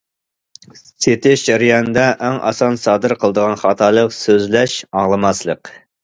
سېتىش جەريانىدا ئەڭ ئاسان سادىر قىلىدىغان خاتالىق‹‹ سۆزلەش، ئاڭلىماسلىق››.